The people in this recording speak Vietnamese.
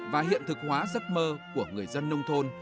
và hiện thực hóa giấc mơ của người dân nông thôn